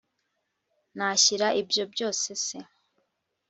nashyira ibyo byose se